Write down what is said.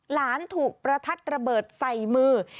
หลานถูกประทัดระเบิดใส่มือ